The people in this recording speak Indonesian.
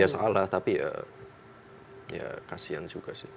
ya salah tapi ya kasian juga sih